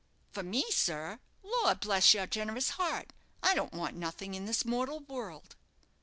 "For me, sir! Lor' bless your generous heart, I don't want nothing in this mortal world."